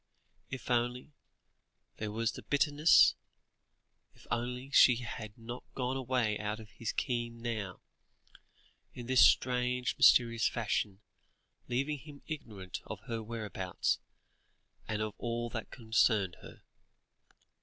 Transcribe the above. If only there was the bitterness if only she had not gone away out of his ken now, in this strange mysterious fashion, leaving him ignorant of her whereabouts, and of all that concerned her.